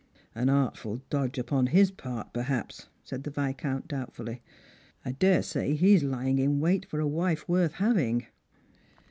" An artful dodge upon his part, perhaps," said the Viscountv doubtfully. " I daresay he is lying in wait for a wife worth having."